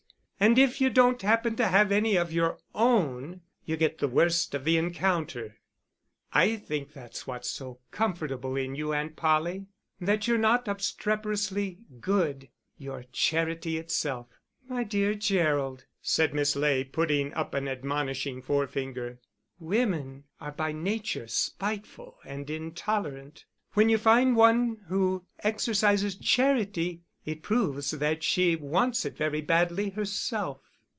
And if you don't happen to have any of your own, you get the worst of the encounter." "I think that's what is so comfortable in you, Aunt Polly, that you're not obstreperously good. You're charity itself." "My dear Gerald," said Miss Ley, putting up an admonishing forefinger, "women are by nature spiteful and intolerant; when you find one who exercises charity, it proves that she wants it very badly herself."